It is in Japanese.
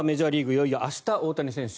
いよいよ明日、大谷翔平選手